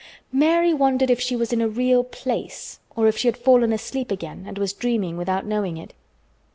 Mary wondered if she was in a real place or if she had fallen asleep again and was dreaming without knowing it.